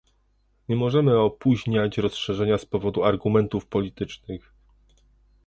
Nie możemy opóźniać rozszerzenia z powodu argumentów politycznych